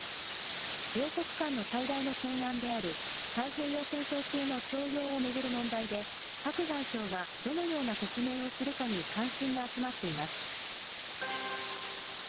両国間の最大の懸案である太平洋戦争中の徴用を巡る問題で、パク外相がどのような説明をするかに関心が集まっています。